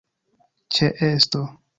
ĉeesto